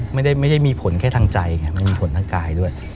ไม่ได้มีผลแค่ทางใจไงไม่มีผลทางกายด้วย